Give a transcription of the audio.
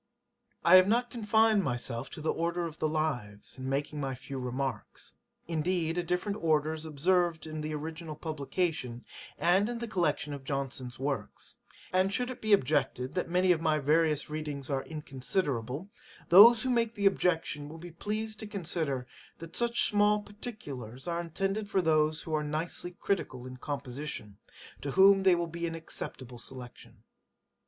I have not confined myself to the order of the Lives, in making my few remarks. Indeed a different order is observed in the original publication, and in the collection of Johnson's Works. And should it be objected, that many of my various readings are inconsiderable, those who make the objection will be pleased to consider, that such small particulars are intended for those who are nicely critical in composition, to whom they will be an acceptable selection.